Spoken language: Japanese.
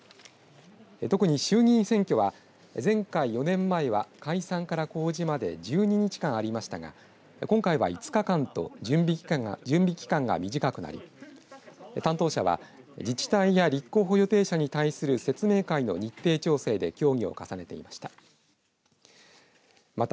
特に、衆議院選挙は前回４年前は解散から公示まで１２日間ありましたが今回は５日間と準備期間が短くなり担当者は自治体や立候補予定者に対する説明会の日程調整で協議を重ねていました。